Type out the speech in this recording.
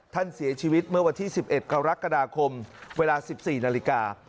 ท่านเสียชีวิตเมื่อวันที่๑๑กรกฎาคมเวลา๑๔นาฬิกา